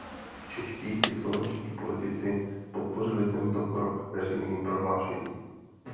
Čeští i slovenští politici podpořili tento krok veřejným prohlášením.